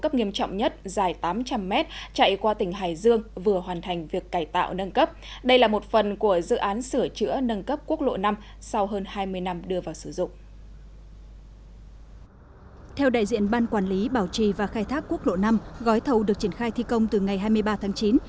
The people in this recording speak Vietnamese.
công trình có chiều dài trên một tám trăm linh mét cao hai ba mét bằng bê tông cốt thép